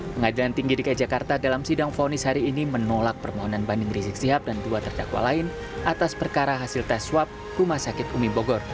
pengadilan tinggi dki jakarta dalam sidang fonis hari ini menolak permohonan banding rizik sihab dan dua terdakwa lain atas perkara hasil tes swab rumah sakit umi bogor